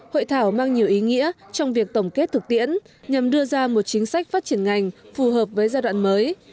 hội thảo mang nhiều ý nghĩa trong việc tổng kết thực tiễn nhằm đưa ra một chính sách phát triển ngành phù hợp với giai đoạn mới